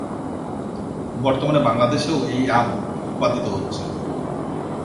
বর্তমানে বাংলাদেশেও এই আম উৎপাদিত হচ্ছে।